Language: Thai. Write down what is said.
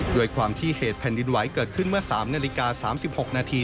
ด้วยความที่เหตุแผ่นดินไหวเกิดขึ้นเมื่อ๓นาฬิกา๓๖นาที